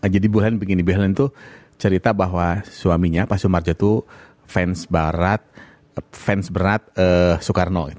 jadi ibu helen bikin ibu helen itu cerita bahwa suaminya pak sumarjo itu fans berat soekarno